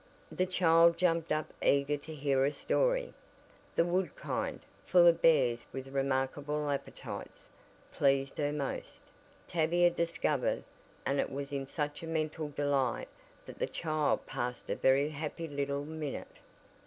The child jumped up eager to hear a story. The wood kind, full of bears with remarkable appetites, pleased her most, Tavia discovered, and it was in such a mental delight that the child passed a very happy little "minute."